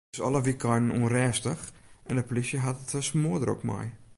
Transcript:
It is alle wykeinen ûnrêstich en de polysje hat it der smoardrok mei.